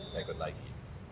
ya ikut lagi